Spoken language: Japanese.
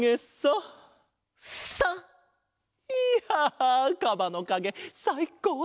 いやかばのかげさいこうだった！